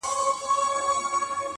هم ښادۍ یې وې لیدلي هم غمونه؛